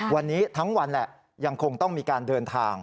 วันนี้ทั้งวันแหละยังคงต้องมีการเดินทาง